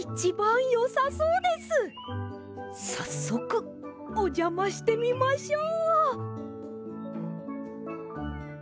さっそくおじゃましてみましょう。